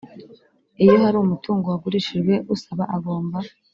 Iyo hari umutungo wagurishijwe usaba agomba